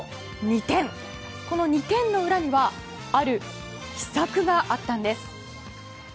この２点の裏にはある秘策があったんです。